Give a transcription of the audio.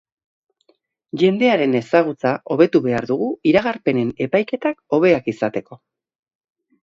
Jendearen ezagutza hobetu behar dugu iragarpenen epaiketak hobeak izateko.